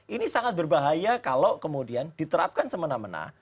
ini sangat berbahaya kalau kemudian diterapkan semena mena